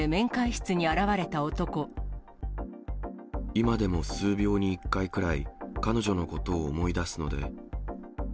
今でも数秒に１回くらい、彼女のことを思い出すので。